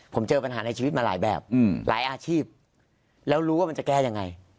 ผมเจอปัญหาในชีวิตมาหลายแบบหลายอาชีพแล้วรู้ว่ามันจะแก้ยังไง